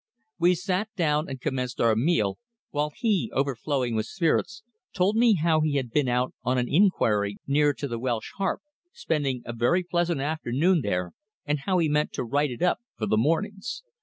We sat down and commenced our meal, while he, overflowing with spirits, told me how he had been out on an inquiry near to the Welsh Harp, spending a very pleasant afternoon there, and how he meant to "write it up" for the "mornings."